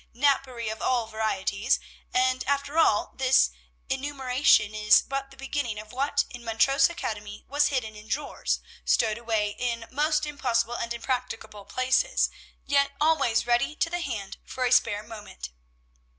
napery of all varieties; and, after all, this enumeration is but the beginning of what in Montrose Academy was hidden in drawers, stowed away in most impossible and impracticable places, yet always ready to the hand for a spare moment.